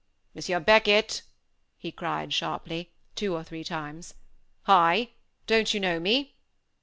"Monsieur Beckett," he cried sharply, two or three times, "Hi! don't you know me?"